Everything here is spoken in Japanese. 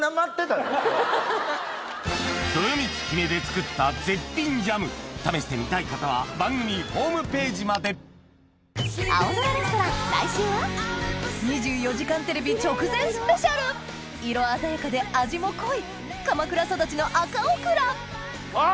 とよみつひめで作った絶品ジャム試してみたい方は番組ホームページまで『２４時間テレビ』直前ＳＰ色鮮やかで味も濃い鎌倉育ちの赤オクラあ